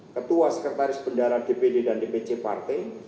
ketua sekretaris bendara dpd dan dpc partai